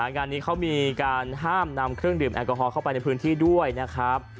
งานนี้เขามีการห้ามนำเครื่องดื่มแอลกอฮอลเข้าไปในพื้นที่ด้วยนะครับ